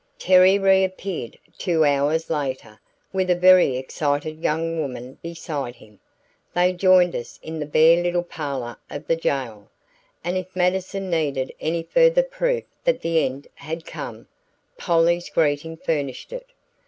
Terry reappeared, two hours later, with a very excited young woman beside him. They joined us in the bare little parlor of the jail, and if Mattison needed any further proof that the end had come, Polly's greeting furnished it.